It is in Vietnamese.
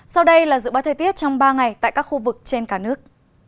sau đây là dự báo thời tiết trong ba ngày tại các khu vực trên cả nước